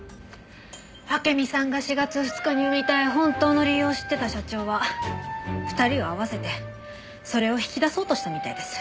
明実さんが４月２日に産みたい本当の理由を知ってた社長は２人を会わせてそれを引き出そうとしたみたいです。